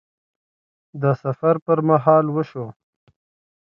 د سفر پر مهال وشو